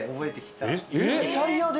イタリアで？